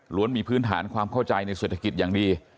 มีพื้นฐานความเข้าใจในเศรษฐกิจอย่างดี